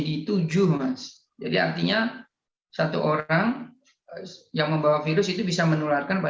delta termasuk salah satu faktor yang menyebabkan virus corona